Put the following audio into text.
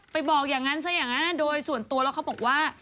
บอกอย่างนั้นซะอย่างนั้นโดยส่วนตัวแล้วเขาบอกว่า